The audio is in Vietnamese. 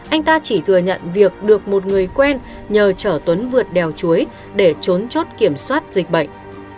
anh ta chỉ thừa nhận việc được một người quen nhờ chở tuấn vượt đèo chuối để trốn chốt kiểm soát dịch bệnh